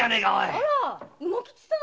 あら卯之吉さん。